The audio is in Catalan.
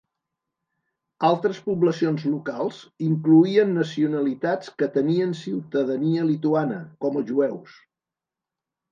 Altres poblacions locals incloïen nacionalitats que tenien ciutadania lituana, com els jueus.